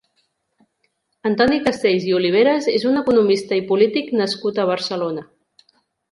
Antoni Castells i Oliveres és un economista i polític nascut a Barcelona.